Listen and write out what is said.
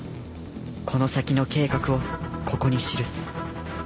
「この先の計画をここに記す」